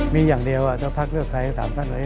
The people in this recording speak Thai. มีอย่างเดียวอ่ะถ้าพักเรือดใครถามฝั่งให้